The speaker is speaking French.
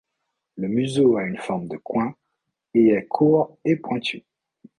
Le museau a une forme de coin, et est court et pointu.